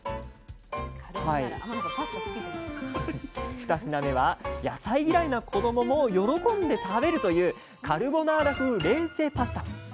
二品目は野菜嫌いな子どもも喜んで食べるというカルボナーラ風冷製パスタ。